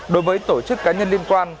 đối với tổ chức cá nhân liên quan